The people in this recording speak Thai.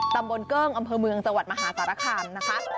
ตำบลเกิ้งอำเภอเมืองจังหวัดมหาสารคามนะคะ